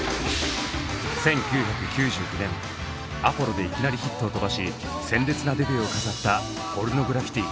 １９９９年「アポロ」でいきなりヒットを飛ばし鮮烈なデビューを飾ったポルノグラフィティ。